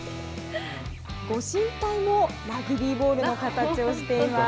ご神体もラグビーボールの形をしています。